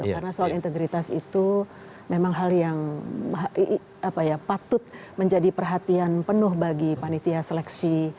karena soal integritas itu memang hal yang patut menjadi perhatian penuh bagi panitia seleksi